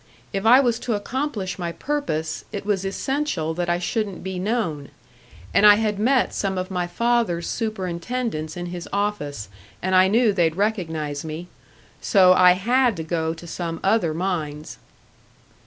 If I was to accomplish my purpose, it was essential that I shouldn't be known. And I had met some of my father's superintendents in his office, and I knew they'd recognise me. So I had to go to some other mines."